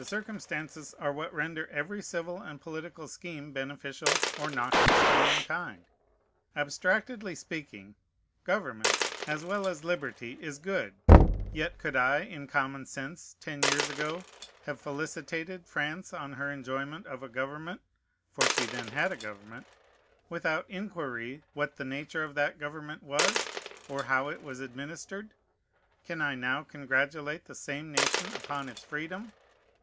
The circumstances are what render every civil and political scheme beneficial or noxious to mankind. Abstractedly speaking, government, as well as liberty, is good; yet could I, in common sense, ten years ago, have felicitated France on her enjoyment of a government, (for she then had a government,) without inquiry what the nature of that government was, or how it was administered? Can I now congratulate the same nation upon its freedom?